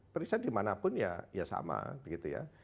periset dimanapun ya sama gitu ya